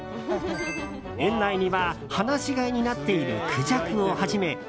園内には放し飼いになっているクジャクをはじめ